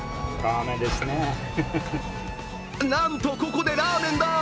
なんと、ここでラーメンだ